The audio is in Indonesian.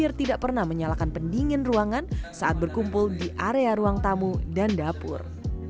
air tidak pernah menyalakan pendingin ruangan saat berkumpul di area ruang tamu dan dapur